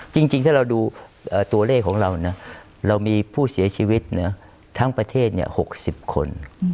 จริงถ้าเราดูตัวเลขของเรานะเรามีผู้เสียชีวิตทั้งประเทศ๖๐คน